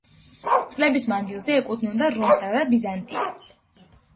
წლების მანძილზე ეკუთვნოდა რომსა და ბიზანტიას.